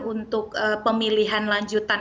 untuk pemilihan lanjutan